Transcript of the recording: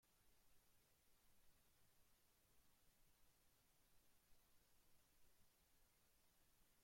Todas las canciones escritas por Jarvis Cocker, excepto las indicadas.